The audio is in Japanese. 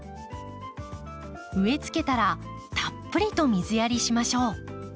植えつけたらたっぷりと水やりしましょう。